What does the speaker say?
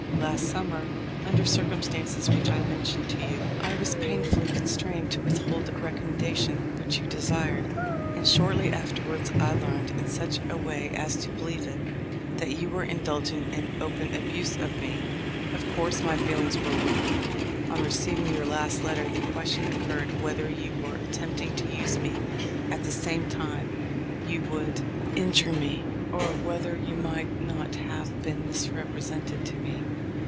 Last sum mer, under circumstances which I mentioned to you, I was painfully constrained to withhold a recom mendation which you desired, and shortly after wards I learned, in such a way as to believe it, that you were indulging in open abuse of me. Of course my feelings were wounded. On receiving your last letter the question occurred whether you were attempting to use me at the same time you would 294 THE LIFE 0F LINCOLN. injure me, or whether you might not have been misrepresented to me.